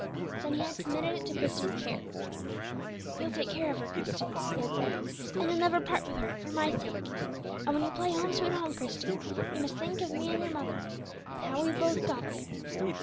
Then he had committed it to Christie's care. "You'll take care of her, Christie," he had said, "and you'll never part with her, for my sake. And when you play 'Home, sweet Home,' Christie, boy, you must think of me and your mother, and how we've both got there."